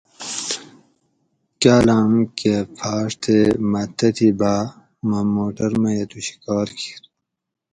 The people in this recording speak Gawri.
کاٞلاٞم کٞہ پھاٞݭ تے مٞہ تتھیں باٞ مٞہ موٹر مئ اٞتوشی کار کیر